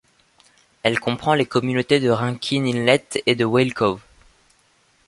Elle comprend les communautés de Rankin Inlet et de Whale Cove.